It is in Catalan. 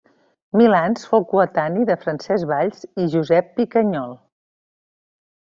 Milans fou coetani de Francesc Valls i Josep Picanyol.